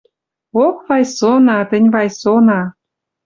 Ох, Вайсона! Тӹнь, Вайсона!